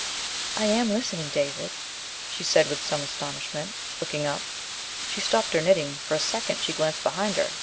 "I am listening, David," she said with some astonishment, looking up. She stopped her knitting. For a second she glanced behind her.